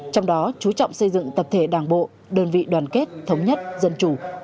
trong đó chú trọng xây dựng tập thể đảng bộ đơn vị đoàn kết thống nhất dân chủ